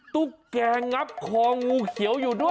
ตุ๊กแกงับคองูเขียวอยู่ด้วย